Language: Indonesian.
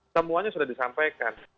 semuanya sudah disampaikan